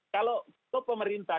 kalau itu pemerintah